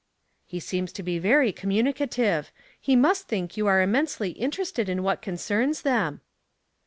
" He seems to be very communicative. He must think you are immensely interested in what concerns them."